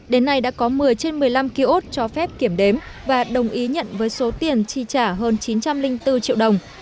đến nay đã có một mươi trên một mươi năm ký ốt cho phép kiểm đếm và đồng ý nhận với số tiền chi trả hơn chín trăm linh bốn triệu đồng